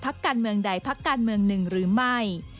การเมืองใดพักการเมืองหนึ่งหรือไม่